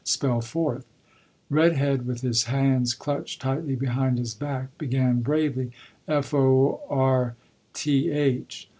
"Spell fourth." "Red Head," with his hands clutched tightly behind his back, began bravely: "F o r t h."